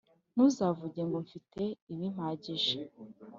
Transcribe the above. Ntuzavuge ngo «Mfite ibimpagije,